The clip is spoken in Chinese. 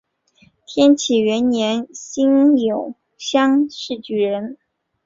天启元年辛酉乡试举人。